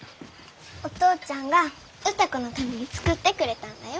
お父ちゃんが歌子のために作ってくれたんだよ。